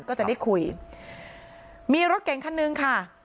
ก็จะได้คุยมีรถเก่งคันนึงค่ะ